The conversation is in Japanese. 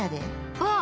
あっ！